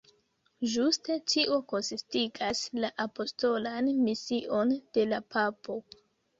Ĝuste tio konsistigas la apostolan mision de la papo.